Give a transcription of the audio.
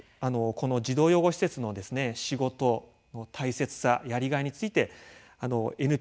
この児童養護施設の仕事の大切さやりがいについてＮＰＯの大山さん